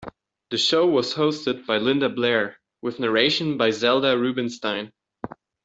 The show was hosted by Linda Blair, with narration by Zelda Rubinstein.